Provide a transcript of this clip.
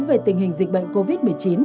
về tình hình dịch bệnh covid một mươi chín